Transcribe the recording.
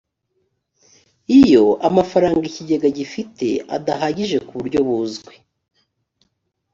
iyo amafaranga ikigega gifite adahagije ku buryo buzwi